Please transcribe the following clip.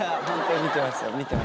見てます。